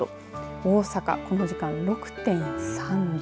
大阪、この時間６．３度。